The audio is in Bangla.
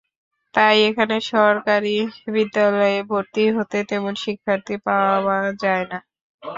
তাই এখানে সরকারি বিদ্যালয়ে ভর্তি হতে তেমন শিক্ষার্থী পাওয়া যায় না।